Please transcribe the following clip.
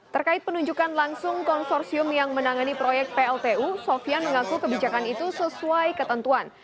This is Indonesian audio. terkait penunjukan langsung konsorsium yang menangani proyek pltu sofian mengaku kebijakan itu sesuai ketentuan